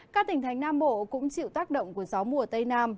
các tỉnh thánh nam bộ cũng chịu tác động của gió mùa tây nam